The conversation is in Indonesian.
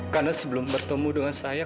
karena sebelum bertemu dengan saya